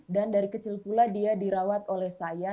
dan dari kecil pula dia dirawat oleh saya